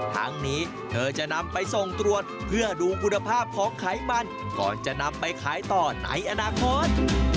ทั้งนี้เธอจะนำไปส่งตรวจเพื่อดูคุณภาพของไขมันก่อนจะนำไปขายต่อในอนาคต